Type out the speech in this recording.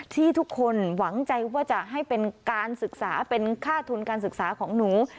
ที่ทุกคนหวังใจว่าจะให้เป็นการศึกษาเป็นค่าทุนการศึกษาของหนู